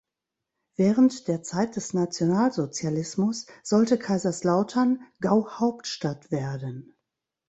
Während der Zeit des Nationalsozialismus sollte Kaiserslautern Gauhauptstadt werden.